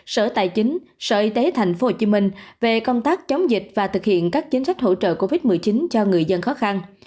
sở tài chính sở y tế thành phố hồ chí minh về công tác chống dịch và thực hiện các chính sách hỗ trợ covid một mươi chín cho người dân khó khăn